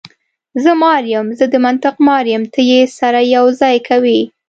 زه مار یم، زه د منطق مار یم، ته یې سره یو ځای کوې.